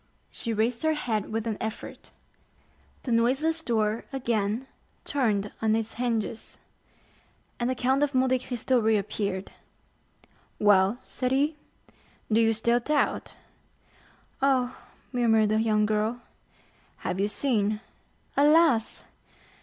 She raised her head with an effort. The noiseless door again turned on its hinges, and the Count of Monte Cristo reappeared. "Well," said he, "do you still doubt?" "Oh," murmured the young girl. "Have you seen?" "Alas!"